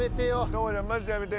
朋ちゃんマジでやめて。